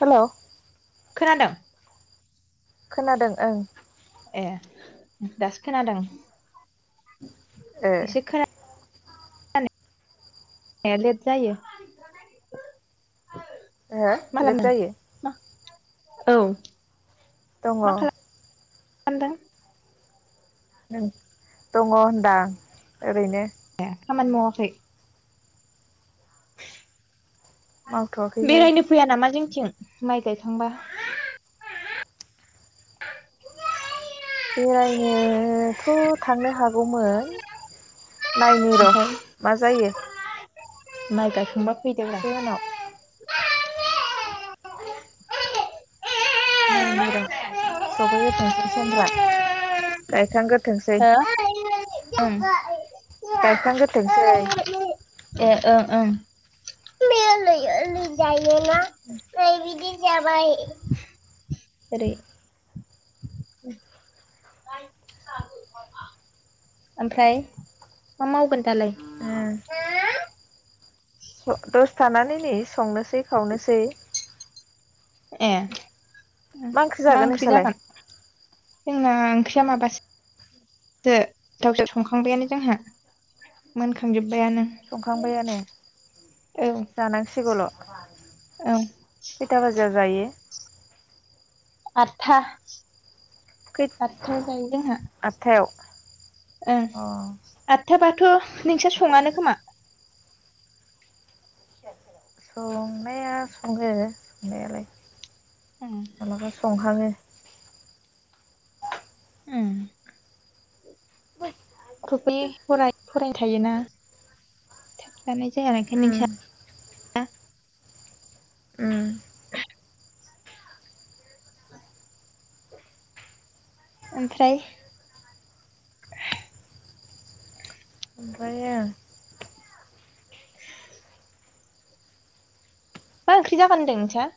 हेल' खोनादों खोनादों ओं ए दासो खोनादों ओ एसे खोना ए लेथ जायो [unintelligible] हो मा लेथ खालामदों जायो। मा औ दङ। खामदों नों दङ होनदां ओरैनो। ए खामानि माववाखै। मावथ'वाखैहाय बेरायनो फैया नामा जों थिं माइ गायखांबा बेरायनोथ' थांनो हागौमोन। नायनि र' मा जायो। माय गायखांबा फैदोब्रा एसे उनाव [unintelligible] नायनि र' सफैग्रोथोंसै समफ्रा गायखांग्रो हो उम गायखांग्रोथोंसै ए ओं ओं बे लुयो लुजायोना नै बिदि जाबाय ओरै [unintelligible] ओमफ्राय मा मावगोन दालाय [unintelligible] दसे थानानै नै संनोसै खावनोसै ए ओ मा ओंख्रि जागोन जोंना ओंख्रिया मा बासो जो‌ दावजो संखांबायानो जोंहा मोनखांजोबबायानो। संखांबायानो जानांसिगौल' औ खैथा बाजियाव जायो आदथा खै आदथायायाव जायो जोंहा आठथायाव अ। हो थाबाथ' नोंसोर सङानो खोमा। संनाया सङो संनायालाय। उम माबलाबा संहाङो। उम। ख्रफै फराय फरायनो थायोना जानाय जायाखाय उम नोंसा उम ओमफ्राय। ओमफ्रायो मा ओंख्रि जागोन होनदों नोंसा?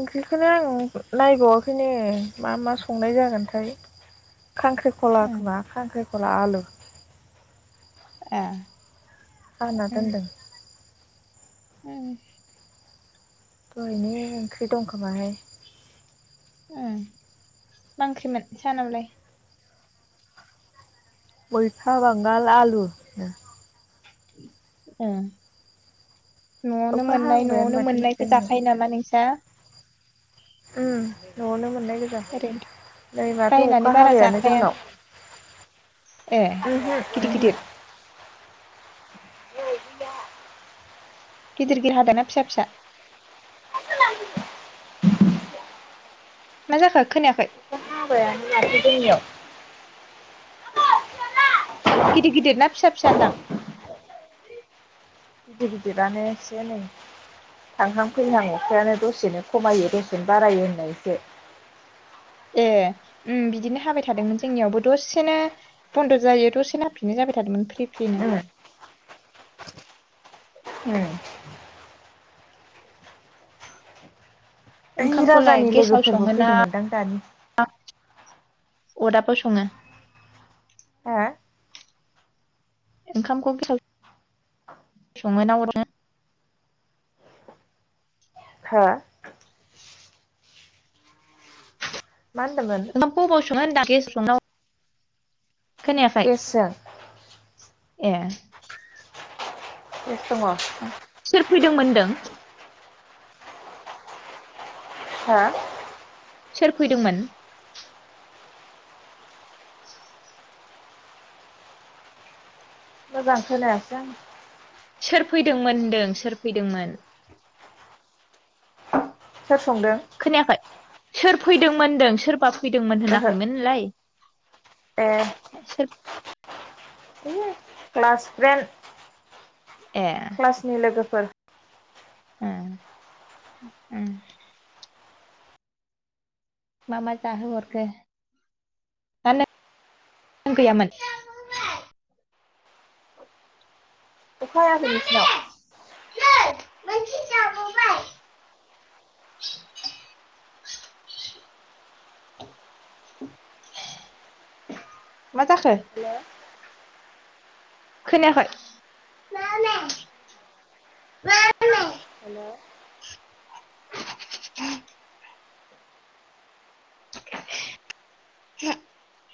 ओंख्रिखौनो आं नायबावाखैनो मा मा संनाय जागोनथाय। खांख्रिखला ओं खोमा खांख्रिखला आलु। ए। आना दोनदों। ओम। दहायनि ओंख्रि दंखोमाहाय। उम ओंख्रिमोन सानावलाय। गयफा बांगाल आलु नों। ऐ। न'आवनो अखा मोननाय हांबायानो न'आवनो माथो नै मोननायखौ जोंनियाव जाखायो नामा नोंस्रा। उम न'आवनो मोजांहै ओरैनो नै माथो बायनानै अखा बारा हाबायानो जाखाया जोंनाव। ए ओमहो गिदिर ओमहो। गिदिर गिदिर गिदिर हादोना फिसा फिसा। मा जाखो खोनायाखै? हाबाय यानो माथो जोंनियाव। गिदिर गिदिर ना फिसा फिसा होनदां। गिदिर गिदिरानो एसे नै। थांहां फैहां अखायानो दसेनो खमायो दसेनो बारायो होननायसो। ए उम बिदिनो हाबाय थादोंमोन जोंनियावबो दसेनो बन्द' जायो दसेनो हाफिननाय जाबाय। हाबाय थादोंमोन फ्रि फ्रिनो। उ [inaudible] ओइ ओंखामखौलाय राजानि गेसाव लोगोफोरबो संङो ना फैदोंमोनदां दानि अदाबाव संङो? हा ओंखामखौ गेसा सं ना हरनो [inaudible] हा। मा होनदोंमोन? स दा [inaudible] गेसजों। ए। इ्थमा [inaudible] सोर फैदोंमोन होनदों। हा। सोर फैदोंमोन? मोजां खोनायासै आं। सोर फैदोंमोन होनदों सोर फैदोंमोन? सोर संदों? खोनायाखै सोर फैदोंमोन होनदों सोरबा फैदोंमोन ओहो होनाखैमोनलाय? ए सोर क्लासफ्रेन। ए क्लासनि लोगोफोर ए उम मा मा जाहोहरखो? ना नों गैयामोन? अखा हायाखै नोंसिनाव? न मोन जाब ब [unintelligible] मा जाखो? हेल' खोनायाखै? हेलौ [inaudible] [inaudible]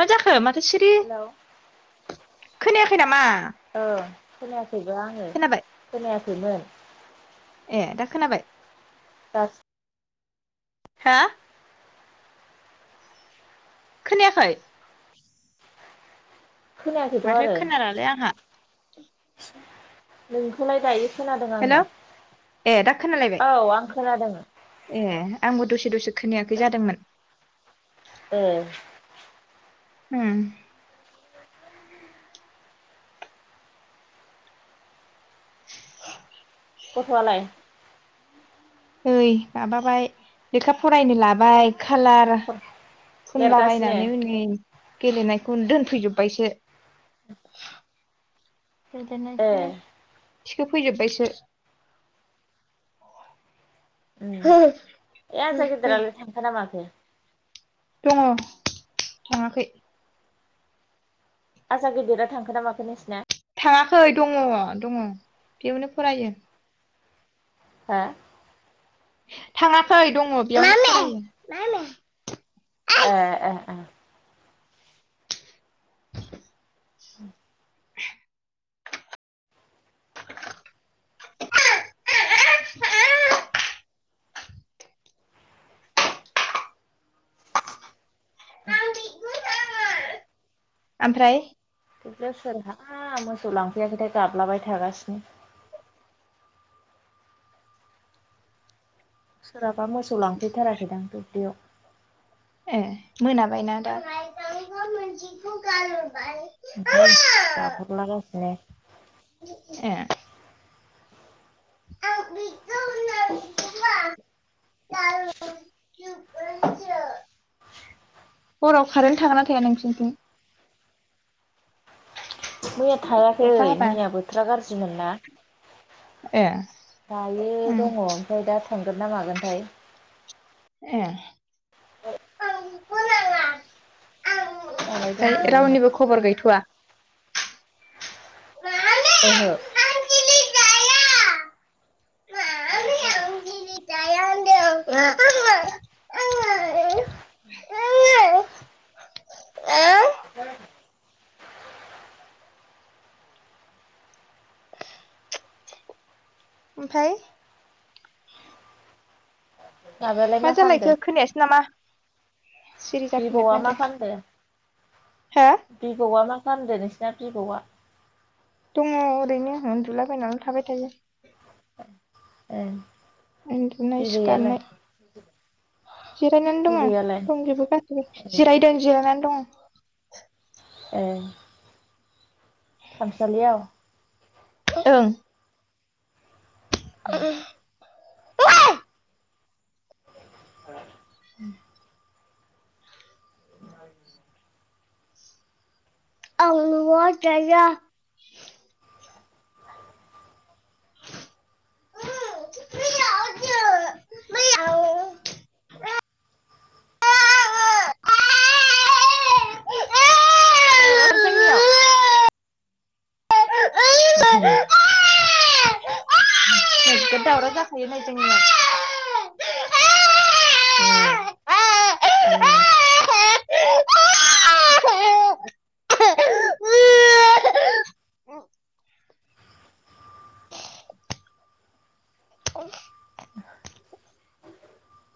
माजाखो माथो सिरि? हेलौ खोनायाखै नामा? औ खोनायाखैबो आंङो खोनाबाय खोनायाखैमोन‌ ए दा खोनाबाय? दास हा खोनायाखै? खोनायाखैथ' माथो आरो खोनालालै आंहा नोंखौलाय दायो खोनादों हेल' आंङो ए दा खोनालायबाय औ आं खोनादों। ए आंबो दसे दसे खोनायाखै जादोंमोन। ओ उम [inaudible] गथ'वालाय? ओइ माबाबाय लेखा फरायनो लाबाय खालार खला लेरगासिनो बायनानै हनै गेलेनायखौ द फैजोबबायसो। फेर गना एखल ए थिख फैजोबबायसो उम ए आ ज गिदिरालाय थांख नामाखो। औ थाङाखै आजा गेदिरा थांखोना माखो नोंसिना? थाङाखै दङ दङ बेयावनो फरायो। हा थाङाखै दङ बेयाव। ए ए ओमफ्राय बे सोरहा मोसौ लांफैयाखैथाय गाबलाबाय थागासिनो। सोरहाबा मोसौ लांफैथाराखैदां दुब्लियाव। ए मोनाबायना दाखौ गारोबबाय। हैाय गाबर लागास ए [unintelligible] हराव खारन्ट थागोन ना थाया नोंसिनिथिं? मैया थायाखै अखा हाबा मैया बोथोरा गाज्रिमोन ना। ए दायो उम दङ ओमफ्राय दा थांगोन ना मागोनथाय। दालाय ए दंथ'योनो रावनिबो खबर गैथ'वा। ओहो [inaudible] द [unintelligible] ओमफाय माबायालाय मा खालामदो जालायखो खोनायासो नामा सिरि जाफिनबाय बिबौआ मा माथो फानदों हो बिबौआ मा फामदो नोंसिना बिबौ आ दङ ओरैनो उन्दुलाबायायनानै थाबाय थायो ओ उन्दुनाय सिखारनाय जिरायनानै दङ बिबैयालाय दंजोबो गासैबो ए जिरायदों जिरायनानै दं ए खामसालियाव ओं [inaudible] [inaudible] आं न आव थाया [unintelligible] [unintelligible] जोंनियाव [unintelligible] जा दावराव जाखायोनै जोंनि आ ह ह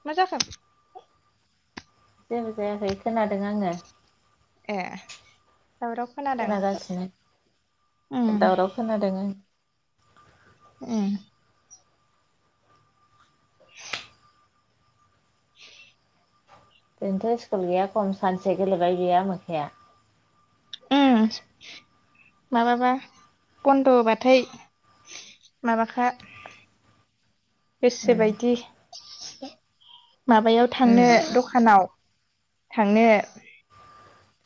मा जाखो जेबो जायाखै खोनादों आङो ए दावराव खोनादों खोनागासिनो उम दावराव खोनादोंङ ए दिनैथ' स्कुल गैया खम सानसे गेलेबाय बेयो आमो खाया उम माबाबा बन्द' होबाथाय माबाखा गोसो बायदि माबायाव थांनो ओं दखानाव थांनो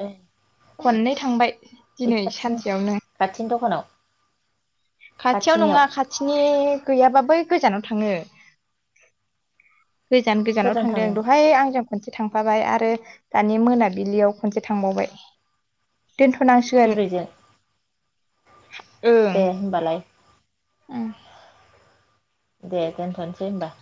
बे खननै थांबाय दिनै सानसेयावनो तिन दखानाव खाथियाव नङा खाथिनियाव खाथिनि गैयाबाबो गोजानाव थाङो। गोजान गोजानाव सोरजों थांदों थाङो दहाय आंजों खनसे थां थांफाबाय आरो दानि मोनाबिलियाव खनसे थांबावबाय दोनथ'नांसिगोन बिबैजों ओं दे होमबालाय [inaudible] दे दोनथ'नोसै होमबा